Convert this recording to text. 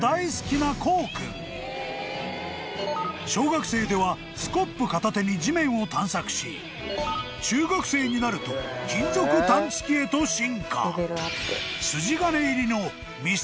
［小学生ではスコップ片手に地面を探索し中学生になると金属探知機へと進化］